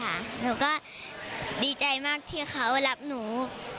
หนูก็ดีใจมากที่เขารับหนู